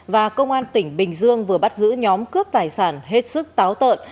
và công an tỉnh bình dương vừa bắt giữ nhóm cướp tài sản hết sức táo tợn